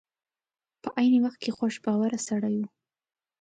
په عین وخت کې خوش باوره سړی و.